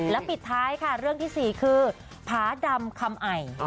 แล้วปิดท้ายเรื่องที่๔คือผาดำคำไอ